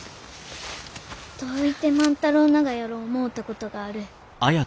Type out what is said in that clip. どういて万太郎ながやろう思うたことがある。